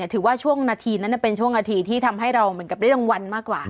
ถือว่าช่วงนาทีนั้นเป็นช่วงนาทีที่ทำให้เราเหมือนกับได้รางวัลมากกว่า